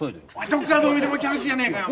どこからどう見てもキャベツじゃねえかよ！